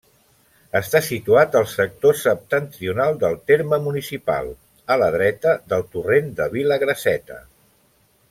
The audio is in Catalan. Està situat al sector septentrional del terme municipal, a la dreta del torrent de Vilagrasseta.